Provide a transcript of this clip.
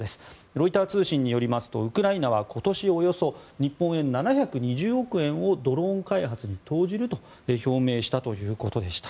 ロイター通信によりますとウクライナは今年日本円でおよそ７２０億円をドローン開発に投じると表明したということでした。